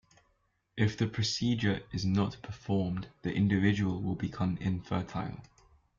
If the procedure is not performed the individual will become infertile.